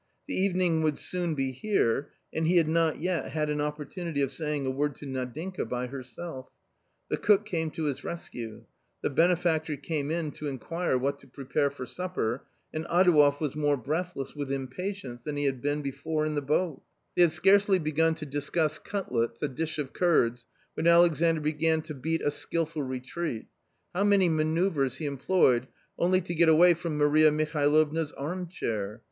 The evening would soon be here, and he had not yet had an opportunity of saying a word to Nadinka by herself. The cook came to his rescue ; the benefactor came in to inquire what to prepare for supper, and Adouev was more breathless with impatience than he had been before in the boat They had scarcely begun to discuss cutlets, a dish of curds, when Alexandr began to beat a skilful retreat How many manoeuvres he employed only to get away from Maria Mihalovna's armchair!